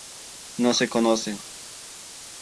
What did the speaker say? No se conocen.